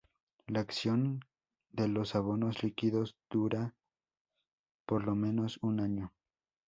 La acción de los abonos líquidos dura por lo menos un año.